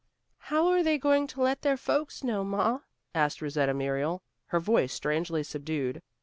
"How are they going to let their folks know, ma?" asked Rosetta Muriel, her voice strangely subdued.